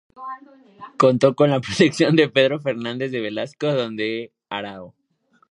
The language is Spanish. Contó con la protección de Pedro Fernández de Velasco, conde de Haro.